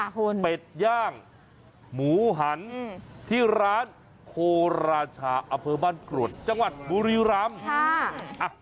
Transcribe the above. คุณเป็ดย่างหมูหันที่ร้านโคราชาอำเภอบ้านกรวดจังหวัดบุรีรำ